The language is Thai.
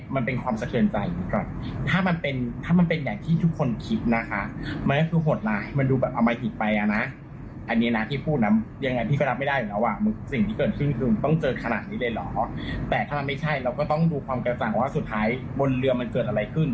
ไม่ใช่เราก็ต้องดูความกระจ่างว่าสุดท้ายบนเรือมันเกิดอะไรขึ้น